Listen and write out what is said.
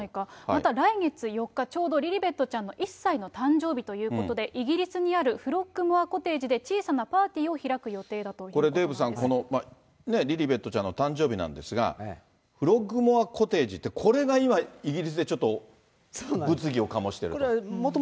また来月４日、ちょうどリリベットちゃんの１歳の誕生日ということで、イギリスにあるフロッグモアコテージで、小さなパーティーを開くこれ、デーブさん、リリベットちゃんの誕生日なんですが、フロッグモアコテージって、これが今、イギリスでちょっと物議を醸してると。